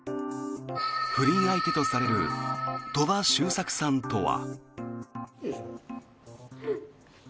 不倫相手とされる鳥羽周作さんとは。